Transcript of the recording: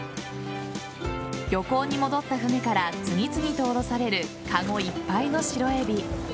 漁港に戻った船から次々と降ろされるかごいっぱいのシロエビ。